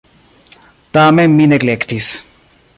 Tamen mi neglektis.